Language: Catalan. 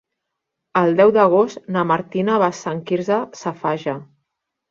El deu d'agost na Martina va a Sant Quirze Safaja.